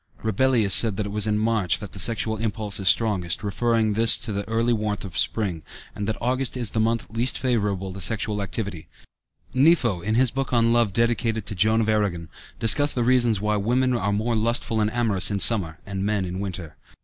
Rabelais said that it was in March that the sexual impulse is strongest, referring this to the early warmth of spring, and that August is the month least favorable to sexual activity (Pantagruel, liv. v, Ch. XXIX). Nipho, in his book on love dedicated to Joan of Aragon, discussed the reasons why "women are more lustful and amorous in summer, and men in winter."